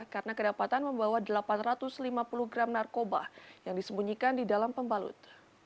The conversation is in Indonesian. karena kedapatan membawa delapan ratus lima puluh gram narkoba yang disembunyikan di dalam pembalut